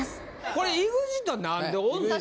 これＥＸＩＴは何でおんの？